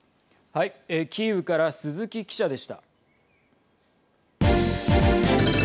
キーウから鈴木記者でした。